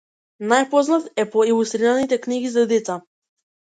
Најпознат е по илустрираните книги за деца.